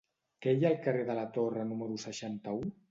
Què hi ha al carrer de la Torre número seixanta-u?